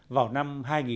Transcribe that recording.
vào năm hai nghìn hai mươi